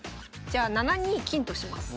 じゃあ７二金とします。